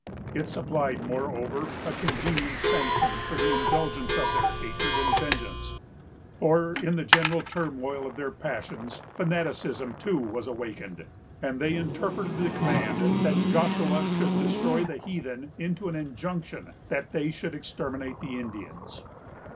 It supplied, moreover, a convenient sanction for the indulgence of their hatred and vengeance; for, in the general turmoil of their passions, fanaticism too was awakened, and they interpreted the command that Joshua should destroy the heathen into an injunction that they should exterminate the Indians.